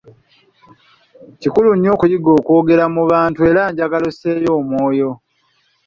Kikulu nnyo okuyiga okwogera mu bantu era njagala osseeyo omwoyo.